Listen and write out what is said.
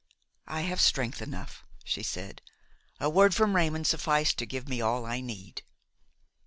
"I have strength enough," she said; "a word from Raymon sufficed to give me all I need."